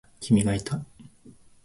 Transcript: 君がいた。